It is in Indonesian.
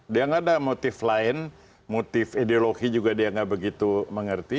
dia nggak ada motif lain motif ideologi juga dia nggak begitu mengerti